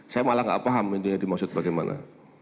saya malah gak paham intinya dimaksud bagaimana